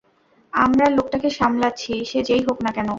আমরা লোকটাকে সামলাছি, সে যেই হোক না কেন।